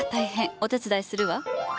お手伝いするわ。